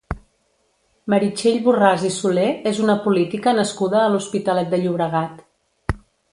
Meritxell Borràs i Solé és una política nascuda a l'Hospitalet de Llobregat.